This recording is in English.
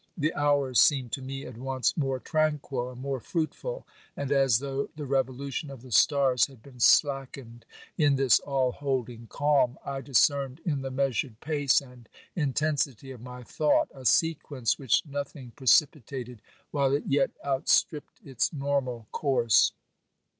The hours seemed to me at once more tranquil and more fruitful, and, as though the revolution of the stars had been slackened in this all holding calm, I discerned in the measured pace and intensity of my thought a sequence which nothing precipitated, while it yet outstripped its normal course.